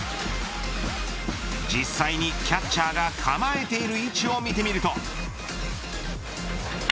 実際にキャッチャーが構えている位置を見てみると。